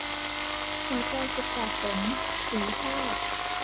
หัวใจสิบแปดฝน - สีชาติ